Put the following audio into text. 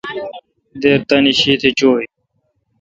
دیر تانی شیتھ چویں۔